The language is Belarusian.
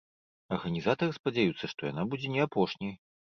Арганізатары спадзяюцца, што яна будзе не апошняй.